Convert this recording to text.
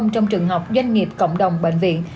trong trường học doanh nghiệp cộng đồng bệnh viện